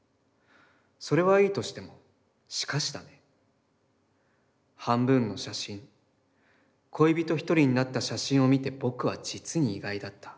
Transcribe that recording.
それはいいとしても、しかしだね、半分の写真、恋人一人になった写真を見て僕は実に意外だった。